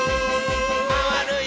まわるよ。